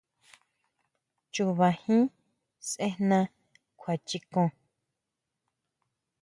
Chuba jín sʼejná kjuachikon.